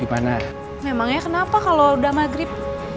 memangnya kenapa kalau udah maghrib